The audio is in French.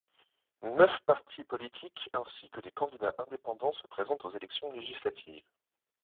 Neuf partis politiques ainsi que des candidats indépendants se présentent aux élections législatives.